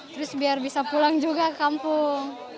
terus biar bisa pulang juga ke kampung